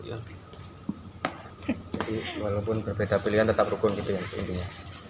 jadi walaupun berbeda pilihan tetap rukun gitu ya